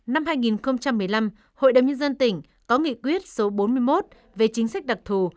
năm hai nghìn một mươi năm hội đồng nhân dân tỉnh có nghị quyết số bốn mươi một về chính sách đặc thù